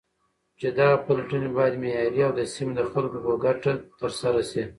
چې دغه پلټنې بايد معياري او د سيمې د خلكو په گټه ترسره شي.